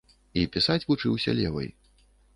І пісаць вучыўся левай.